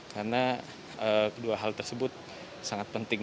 karena kedua hal tersebut sangat penting